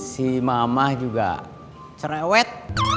si mama juga cerewet